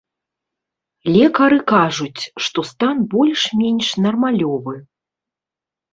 Лекары кажуць, што стан больш-менш нармалёвы.